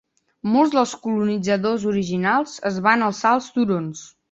Molts dels colonitzadors originals es van alçar als "turons".